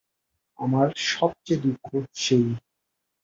আমার সব চেয়ে দুঃখ সেই।